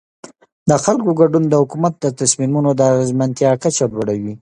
د خلکو ګډون د حکومت د تصمیمونو د اغیزمنتیا کچه لوړوي